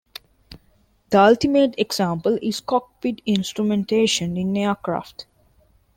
The ultimate example is cockpit instrumentation in aircraft.